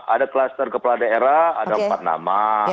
ada kluster kepala daerah ada empat nama